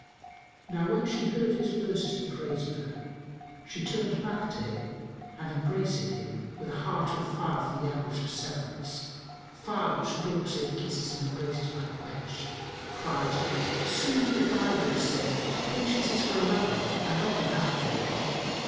Now when she heard his verses in praise of her, she turned back to him and embracing him, with a heart on fire for the anguish of severance, fire which naught save kisses and embraces might quench, cried, "Sooth the byword saith, Patience is for a lover and not the lack thereof.